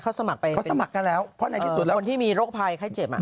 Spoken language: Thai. ก็นี่ไงเขาสมัครไปคนที่มีโรคภายไข้เจ็บ